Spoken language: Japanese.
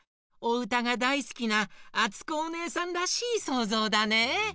おうたがだいすきなあつこおねえさんらしいそうぞうだね。